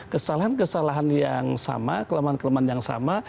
kesalahan kesalahan yang sama kelemahan kelemahan yang sama